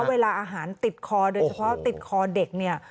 เวลาอาหารติดคอโดยเฉพาะติดคอเด็กเนี่ย